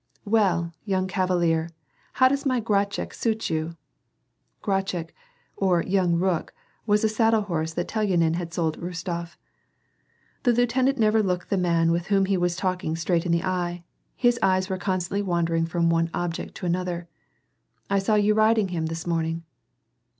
" Well, 3'oung cavalier, how does my Grachik suit you ?" (Grachik, or Young Rook, was a saddle horse that Telyanin had sold Kostof). The lieutenant never looked the man with whom he was talking straight in the eye ; his eyes were con stantly wandering from one object to another. '^I saw you riding him this morning."